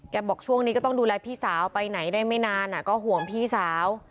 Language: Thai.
บอกช่วงนี้ก็ต้องดูแลพี่สาวไปไหนได้ไม่นานก็ห่วงพี่สาว